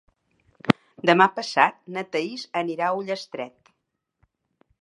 Demà passat na Thaís anirà a Ullastret.